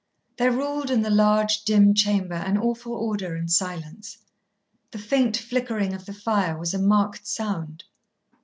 There ruled in the large, dim chamber an awful order and silence. The faint flickering of the fire was a marked sound.